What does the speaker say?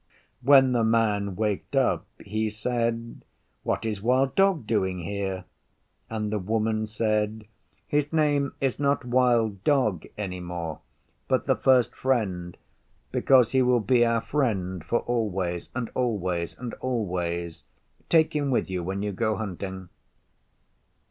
When the Man waked up he said, 'What is Wild Dog doing here?' And the Woman said, 'His name is not Wild Dog any more, but the First Friend, because he will be our friend for always and always and always. Take him with you when you go hunting.